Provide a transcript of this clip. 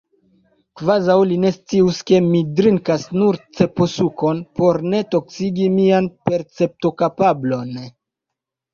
Kvazaŭ li ne scius ke mi drinkas nur ceposukon, por ne toksigi mian perceptokapablon!